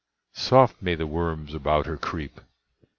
Soft may the worms about her creep!